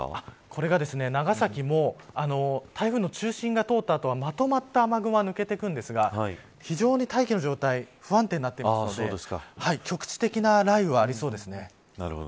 これが、長崎も台風の中心が通った後はまとまった雨雲は抜けていくんですが非常に大気の状態不安定になっているので局地的な雷雨はありそうです。